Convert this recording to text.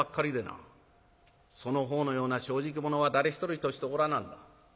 その方のような正直者は誰一人としておらなんだ。